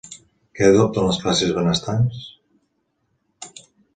Què adopten les classes benestants?